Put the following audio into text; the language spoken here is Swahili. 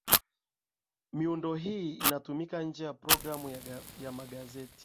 miundo hii inatumika nje ya programu ya magazeti